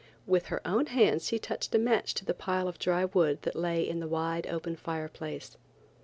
With her own hands she touched a match to the pile of dry wood that lay in the wide open fireplace.